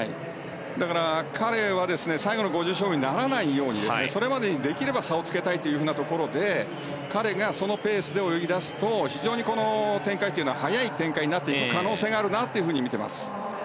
だから、彼は最後の５０ｍ勝負にならないようにそれまでにできれば差をつけたいというところで彼がそのペースで泳ぎ出すと非常にこの展開というのは速い展開になってくる可能性があるなと見ています。